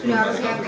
sudah harus siap ya